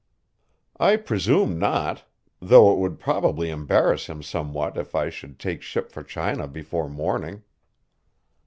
"I presume not, thought it would probably embarrass him somewhat if I should take ship for China before morning."